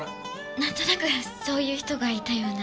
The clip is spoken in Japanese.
なんとなくそういう人がいたような。